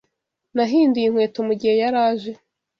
Nahinduye inkweto mugihe yaraje